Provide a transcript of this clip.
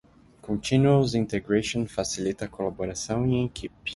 Continuous Integration facilita a colaboração em equipe.